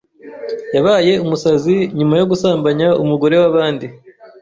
Yabaye umusazi nyuma yogusambanya umugore wa bandi